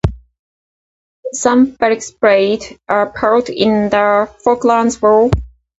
San Felix played a part in the Falklands War.